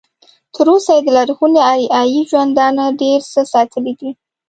تر اوسه یې د لرغوني اریایي ژوندانه ډېر څه ساتلي دي.